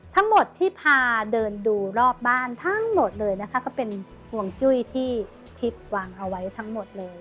ทั้งหมดที่พาเดินดูรอบบ้านทั้งหมดเลยนะคะก็เป็นห่วงจุ้ยที่ทิพย์วางเอาไว้ทั้งหมดเลย